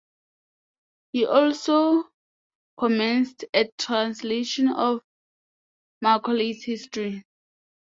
He also commenced a translation of Macaulay's "History".